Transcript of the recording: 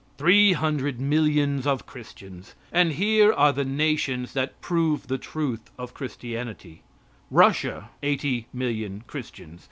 Three hundred millions of Christians, and here are the nations that prove the truth of Christianity: Russia 80,000,000 Christians.